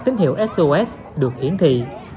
tín hiệu sos được hiển thị